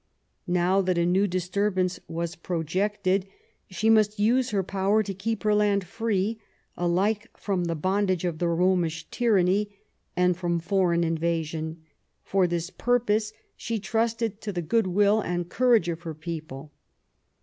Now that a new dis turbance was projected, she must use her power to keep her land free alike "from the bondage of the Romish tyranny '* and from foreign invasion ; for this purpose she trusted to the good will and courage of her people.